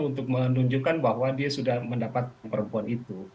untuk menunjukkan bahwa dia sudah mendapatkan perempuan itu